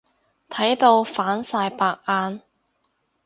睇到反晒白眼。